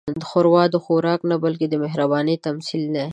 ښوروا د خوراک نه، بلکې د مهربانۍ تمثیل دی.